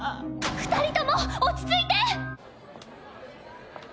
二人とも落ち着いて！